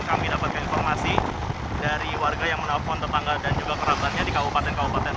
kami dapatkan informasi dari warga yang menelpon tetangga dan juga kerabatannya di kabupaten kabupaten